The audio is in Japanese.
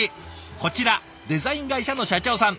こちらデザイン会社の社長さん。